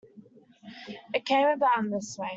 It came about in this way.